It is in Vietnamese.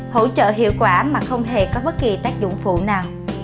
hỗ trợ hiệu quả mà không hề có bất kỳ tác dụng phụ nào